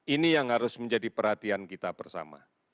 ini yang harus menjadi perhatian kita bersama